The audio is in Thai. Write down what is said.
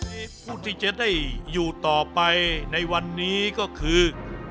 มีผู้ที่จะได้อยู่ต่อไปในวันนี้ก็คือ